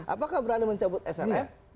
apakah berani mencabut slf